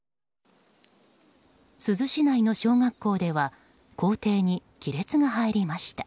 珠洲市内の小学校では校庭に亀裂が入りました。